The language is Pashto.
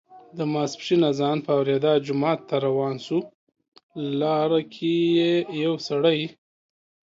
د ماسپښین اذان په اوریدا جومات ته روان شو، لاره کې یې یو سړی